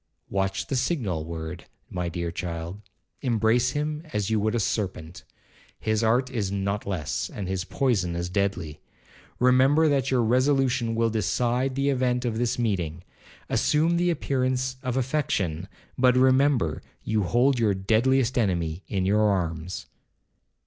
Watch the signal word, my dear child; embrace him as you would a serpent,—his art is not less, and his poison as deadly. Remember that your resolution will decide the event of this meeting. Assume the appearance of affection, but remember you hold your deadliest enemy in your arms.'